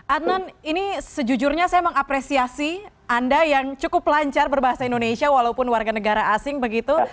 adnan ini sejujurnya saya mengapresiasi anda yang cukup lancar berbahasa indonesia walaupun warga negara asing begitu